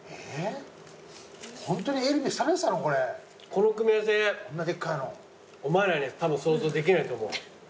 この組み合わせお前らにはたぶん想像できないと思う。